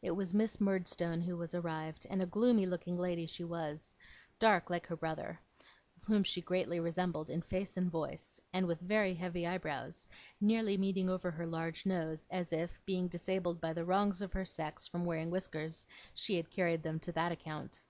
It was Miss Murdstone who was arrived, and a gloomy looking lady she was; dark, like her brother, whom she greatly resembled in face and voice; and with very heavy eyebrows, nearly meeting over her large nose, as if, being disabled by the wrongs of her sex from wearing whiskers, she had carried them to that account.